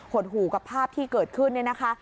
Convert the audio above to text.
ดหู่กับภาพที่เกิดขึ้นเนี่ยนะคะ